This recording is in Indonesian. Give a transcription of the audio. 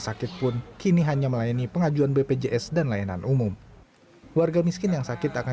sakit pun kini hanya melayani pengajuan bpjs dan layanan umum warga miskin yang sakit akan